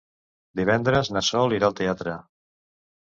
Divendres na Sol irà al teatre.